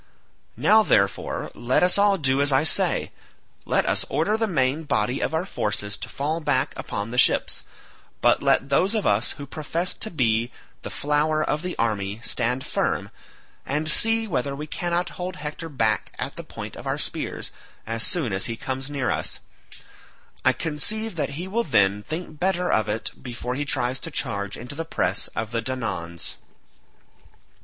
Now, therefore, let us all do as I say; let us order the main body of our forces to fall back upon the ships, but let those of us who profess to be the flower of the army stand firm, and see whether we cannot hold Hector back at the point of our spears as soon as he comes near us; I conceive that he will then think better of it before he tries to charge into the press of the Danaans."